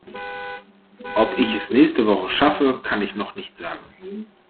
Ob ich es nächste Woche schaffe, kann ich noch nicht sagen.